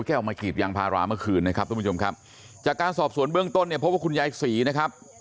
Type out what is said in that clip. ออกมากรีดยางพาราเมื่อคืนนะครับทุกผู้ชมครับจากการสอบสวนเบื้องต้นเนี่ยพบว่าคุณยายศรีนะครับ